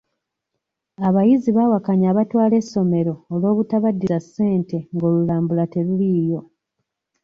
Abayizi baawakanya abatwala essomero olwobutabaddiza ssente ng'olulambula teruliiyo.